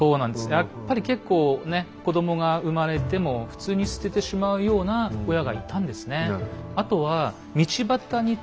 やっぱり結構ね子供が産まれても普通に捨ててしまうような親がいたんですね。